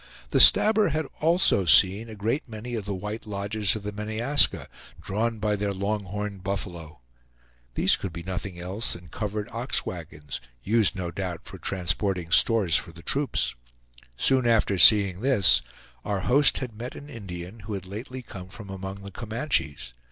The Stabber had also seen a great many of the white lodges of the Meneaska, drawn by their long horned buffalo. These could be nothing else than covered ox wagons used no doubt in transporting stores for the troops. Soon after seeing this, our host had met an Indian who had lately come from among the Comanches.